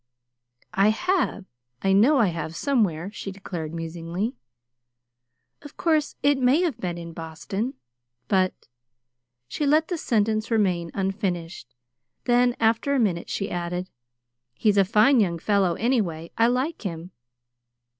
"I have, I know I have somewhere," she declared musingly. "Of course it may have been in Boston; but " She let the sentence remain unfinished; then, after a minute she added: "He's a fine young fellow, anyway. I like him."